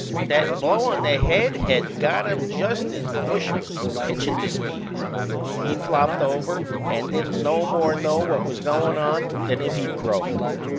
That blow on the head had got him just as Bush was pitchin' to Speed. He'd flopped over and didn't no more know what was goin' on than if he'd croaked.